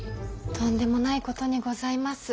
とんでもないことにございます。